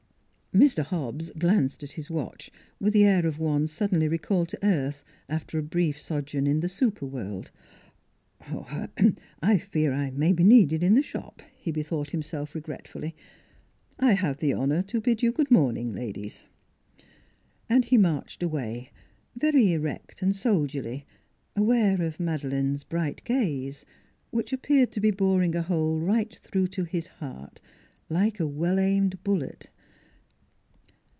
Mr. Hobbs glanced at his watch, with the air of one suddenly recalled to earth after a brief sojourn in a super world. " Er I fear I may be needed in the shop," he bethought himself regretfully. " I have the honor to bid you good morning, ladies." And he marched away, very erect and soldierly, aware of Madeleine's bright gaze, which ap peared to be boring a hole right through to his heart like a well aimed bullet.